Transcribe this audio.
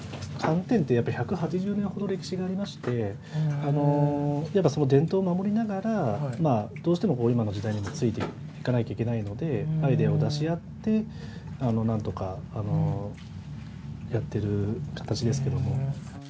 寒天ってやっぱ１８０年ほど歴史がありましてあのやっぱその伝統を守りながらどうしても今の時代にもついていかないといけないのでアイデアを出し合ってなんとかあのやってる形ですけども。